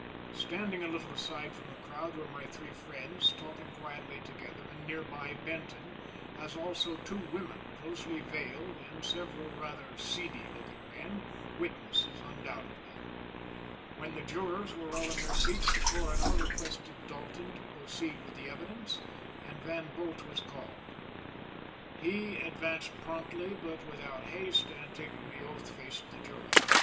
Standing a little aside from the crowd were my three friends talking quietly together and nearby Benton, as also two women closely veiled and several rather seedy looking men, witnesses, undoubtedly. When the jurors were all in their seats the Coroner requested Dalton to proceed with the evidence and Van Bult was called. He advanced promptly but without haste and, taking the oath, faced the jury.